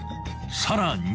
［さらに］